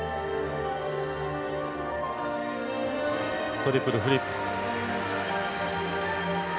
トリプルフリップ。